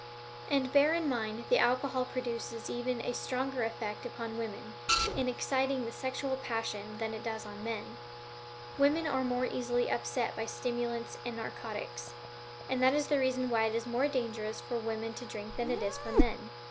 And bear in mind that alcohol produces even a stronger effect upon women, in exciting the sexual passion, than it does on men. Women are more easily upset by stimulants and narcotics, and that is the reason why it is more dangerous for women to drink than it is for men.